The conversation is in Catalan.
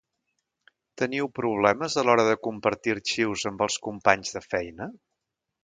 Teniu problemes a l’hora de compartir arxius amb els companys de feina?